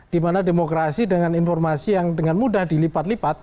dimana demokrasi dengan informasi yang dengan mudah dilipat lipat